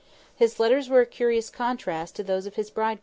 His letters were a curious contrast to those of his girl bride.